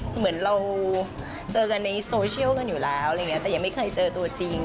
เหมือนเราเจอกันในโซเชียลอยู่แล้วแต่ยังไม่เคยเจอตัวจริง